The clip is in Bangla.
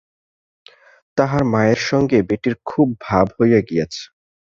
তাহার মায়ের সঙ্গে বেঁটির খুব ভাব হইয়া গিয়াছে।